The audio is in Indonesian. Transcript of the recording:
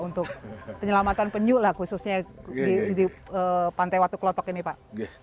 untuk penyelamatan penyu lah khususnya di pantai watu klotok ini pak